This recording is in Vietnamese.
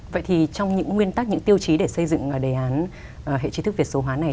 vậy thì trong những nguyên tắc những tiêu chí để xây dựng đề án hệ trí thức việt số hóa này